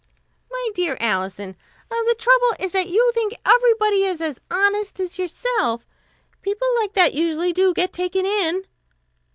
"My dear Alison, the trouble is that you think everybody is as honest as yourself. People like that usually do get taken in."